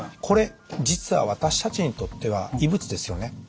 これ実は私たちにとっては異物ですよね。